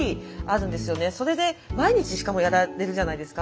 それで毎日しかもやられるじゃないですか。